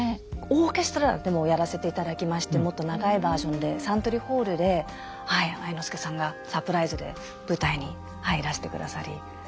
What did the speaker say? オーケストラでもやらせていただきましてもっと長いバージョンでサントリーホールで愛之助さんがサプライズで舞台にいらしてくださり。